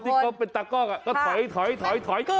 ที่เขาเป็นตากล้องก็ถอย